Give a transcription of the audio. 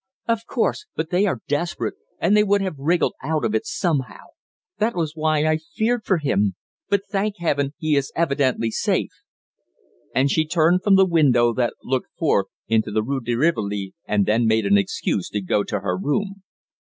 "Of course. But they are desperate, and they would have wriggled out of it somehow. That was why I feared for him. But, thank Heaven, he is evidently safe." And she turned from the window that looked forth into the Rue de Rivoli, and then made an excuse to go to her room.